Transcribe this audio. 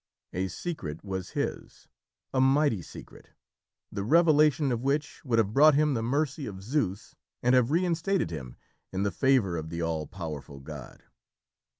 A secret was his a mighty secret, the revelation of which would have brought him the mercy of Zeus and have reinstated him in the favour of the all powerful god.